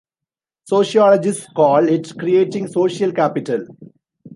Sociologists call it 'creating social capital.